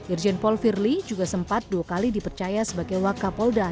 irjen paul firli juga sempat dua kali dipercaya sebagai wak kapolda